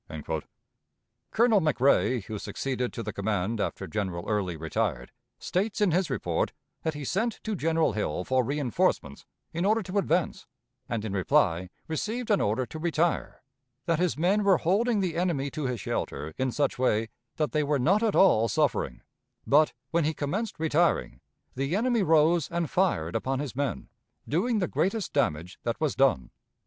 Colonel McRae, who succeeded to the command after General Early retired, states in his report that he sent to General Hill for reënforcements in order to advance, and in reply received an order to retire: that his men were holding the enemy to his shelter in such way that they were not at all suffering, but, when he commenced retiring, the enemy rose and fired upon his men, doing the greatest damage that was done.